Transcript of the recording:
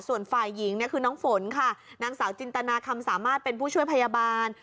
ส่วนฝ่ายหญิงเนี่ยคือน้องฝนค่ะนางสาวจินตนาคำสามารถเป็นผู้ช่วยพยาบาล